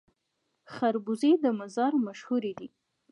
خربوزې د مزار مشهورې دي